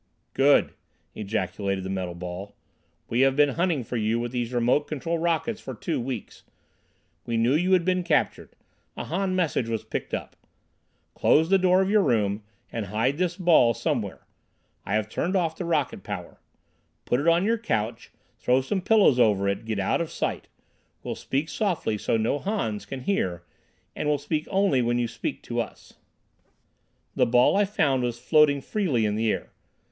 "Good!" ejaculated the metal ball. "We have been hunting for you with these remote control rockets for two weeks. We knew you had been captured. A Han message was picked up. Close the door of your room, and hide this ball somewhere. I have turned off the rocket power. Put it on your couch. Throw some pillows over it. Get out of sight. We'll speak softly, so no Hans can hear, and we'll speak only when you speak to us." The ball, I found, was floating freely in the air.